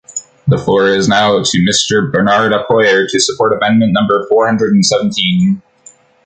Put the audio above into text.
The floor is now to Mister Bernard Accoyer to support amendment number four-hundred-and-seventeen.